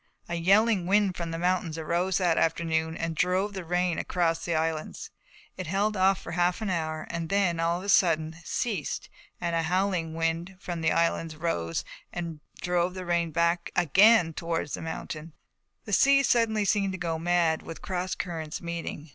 A yelling wind from the mountains arose that afternoon and drove the rain away across the islands. It held for half an hour and then of a sudden ceased and a howling wind from the islands rose and drove the rain back again towards the mountains. The sea suddenly seemed to go mad, with cross currents meeting.